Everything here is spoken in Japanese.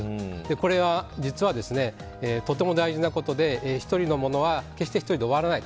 これは実はとても大事なことで１人のものは決して１人で終わらない。